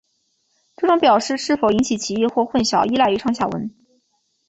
这种表示是否引起歧义或混淆依赖于上下文。